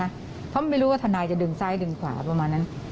เพราะไม่รู้ว่าทนายจะดึงซ้ายดึงขวาประมาณนั้น